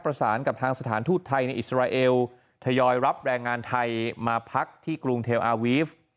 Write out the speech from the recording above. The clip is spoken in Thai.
ประสานกับทางสถานทูตไทยในอิสราเอลทยอยรับแรงงานไทยมาพักที่กรุงเทลอาวีฟ